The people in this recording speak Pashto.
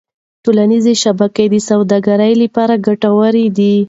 ټولنيزې شبکې د سوداګرۍ لپاره ګټورې دي.